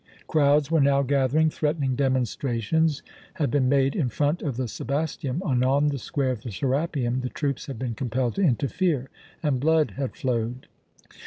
Crowds were now gathering, threatening demonstrations had been made in front of the Sebasteum, and on the square of the Serapeum the troops had been compelled to interfere, and blood had flowed.